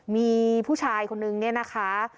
มีผู้ชายคนนึงเนี่ยนะคะ